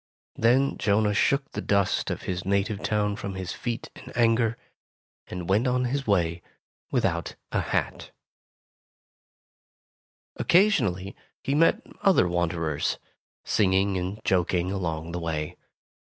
'' Then Jonah 52 Tales of Modern, Germany shook the dust of his native town from his feet in anger, and went on his way, without a hat. Occasionally he met other wanderers, singing and joking along the way.